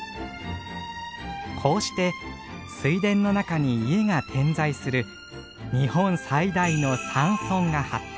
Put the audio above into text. こうして水田の中に家が点在する日本最大の散村が発展。